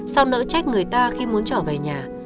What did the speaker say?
sau nỡ trách người ta khi muốn trở về nhà